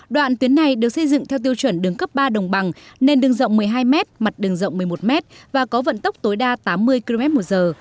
đoạn tuyến này được xây dựng theo tiêu chuẩn đường cấp ba đồng bằng nền đường rộng một mươi hai mét mặt đường rộng một mươi một m và có vận tốc tối đa tám mươi km một giờ